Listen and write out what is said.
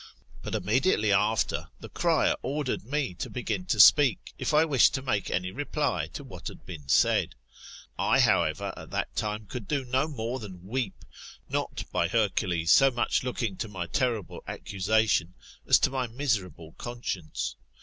But immediately after, the cryer ordered me to begin to speak, if I wished to make any reply to what had been said. I however, at that time could do no more than weep ; not, by Hercules, so much looking to my terrible accusation, as to my miserable conscience.